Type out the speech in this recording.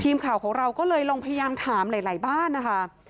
ทีมข่าวของเราก็เลยลองพยายามถามหลายบ้านนะคะ